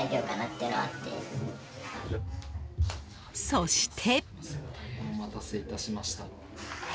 そして。